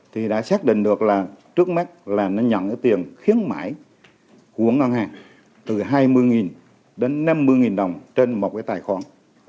thì đã xác định được là trước mắt là nó nhận cái tiền khiến mãi của ngân hàng từ hai mươi đến năm mươi đồng trên một cái tài khoản